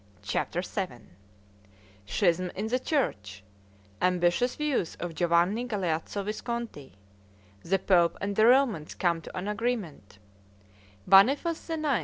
CHAPTER VII Schism in the church Ambitious views of Giovanni Galeazzo Visconti The pope and the Romans come to an agreement Boniface IX.